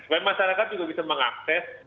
supaya masyarakat juga bisa mengakses